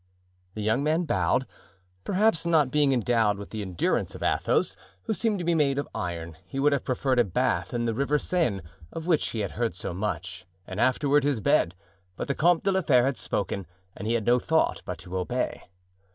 The young man bowed. Perhaps, not being endowed with the endurance of Athos, who seemed to be made of iron, he would have preferred a bath in the river Seine of which he had heard so much, and afterward his bed; but the Comte de la Fere had spoken and he had no thought but to obey.